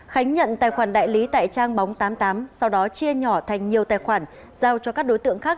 khánh nhận tài khoản đại lý tại trang bóng tám mươi tám sau đó chia nhỏ thành nhiều tài khoản giao cho các đối tượng khác